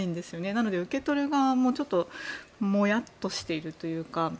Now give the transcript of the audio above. なので受け取る側もちょっとモヤッとしているというか。